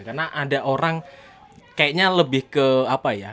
karena ada orang kayaknya lebih ke apa ya